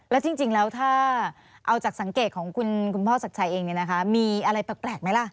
แล้วจริงแล้วถ้าเอาจากสังเกตของคุณพ่อศักดิ์ชัยเองมีอะไรแปลกไหมล่ะ